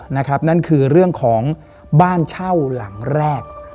นั่นคือเรื่องของบ้านเช่าหลังแรก